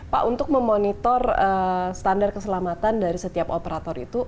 pak untuk memonitor standar keselamatan dari setiap operator itu